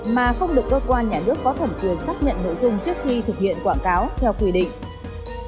mà không được cơ quan nhà nước có thẩm quyền xác nhận nội dung trước khi thực hiện quảng cáo theo quy định